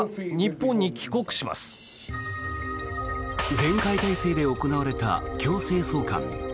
厳戒態勢で行われた強制送還。